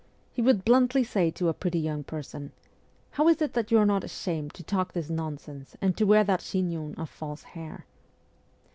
He would bluntly say to a pretty young person :' How is it that you are not ashamed to talk this nonsense and to wear that chignon of false hair